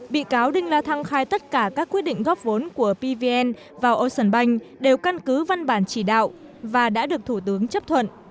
bị cáo đinh la thăng khai tất cả các quyết định góp vốn của pvn vào ocean bank đều căn cứ văn bản chỉ đạo và đã được thủ tướng chấp thuận